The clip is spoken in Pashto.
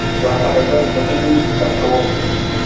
زه هره ورځ دوتنې بک اپ کوم.